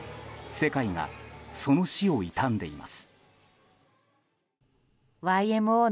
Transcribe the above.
世界がその死を悼んでいます。